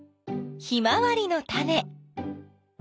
ヒマワリのタネ。